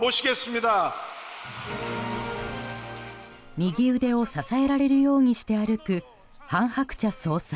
右腕を支えられるようにして歩く、韓鶴子総裁。